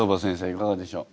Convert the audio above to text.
いかがでしょう？